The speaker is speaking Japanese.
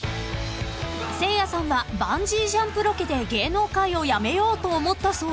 ［せいやさんはバンジージャンプロケで芸能界を辞めようと思ったそうで］